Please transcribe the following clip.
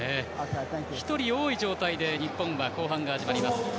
１人多い状態で日本は後半が始まります。